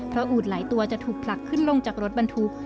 เพราะอูดหลายตัวจะถูกผลักขึ้นลงจากรถบรรทุก